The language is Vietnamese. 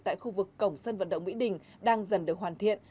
tại khu vực cổng sân vận động mỹ đình đang dần được hoàn thiện